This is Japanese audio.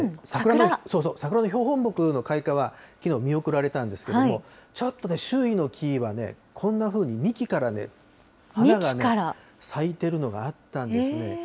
桜の標本木の開花は、きのう見送られたんですけれども、ちょっと周囲の木々は、こんなふうに幹から花が咲いてるのがあったんですね。